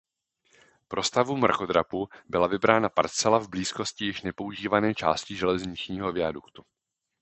Pro stavbu mrakodrapu byla vybrána parcela v blízkosti již nepoužívané části železničního viaduktu.